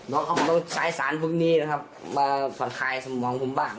เราต้องใช้สารพวกนี้นะครับมาควรคล้ายสมองผมบ้าง